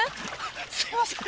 すいません。